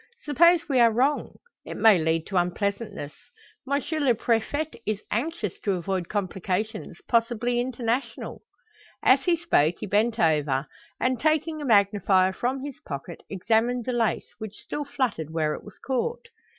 Suppose we are wrong? It may lead to unpleasantness. M. le Prefet is anxious to avoid complications possibly international." As he spoke, he bent over, and, taking a magnifier from his pocket, examined the lace, which still fluttered where it was caught.